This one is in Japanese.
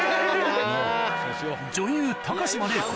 女優高島礼子